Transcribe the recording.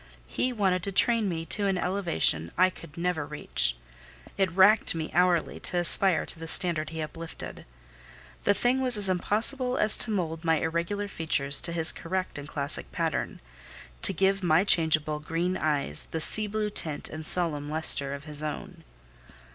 He wanted to train me to an elevation I could never reach; it racked me hourly to aspire to the standard he uplifted. The thing was as impossible as to mould my irregular features to his correct and classic pattern, to give to my changeable green eyes the sea blue tint and solemn lustre of his own.